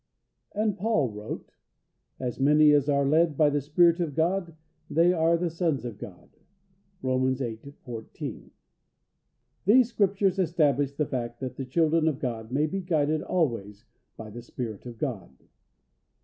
And Paul wrote: "As many as are led by the Spirit of God, they are the sons of God" (Romans viii. 14). These Scriptures establish the fact that the children of God may be guided always by the Spirit of God.